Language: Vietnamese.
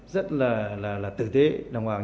rất là tử tế đồng hành